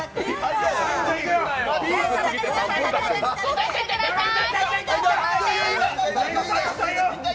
取ってください。